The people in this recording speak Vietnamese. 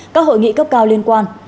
các hội nghị cấp cao liên quan